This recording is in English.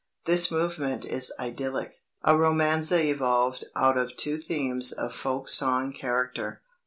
This movement is idyllic, a romanza evolved out of two themes of folk song character.